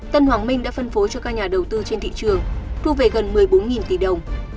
tân hoàng minh đã phân phối cho các nhà đầu tư trên thị trường thu về gần một mươi bốn tỷ đồng